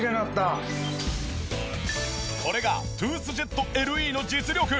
これがトゥースジェットＬＥの実力。